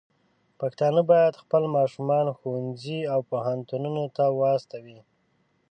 پښتانه بايد خپل ماشومان ښوونځي او پوهنتونونو ته واستوي.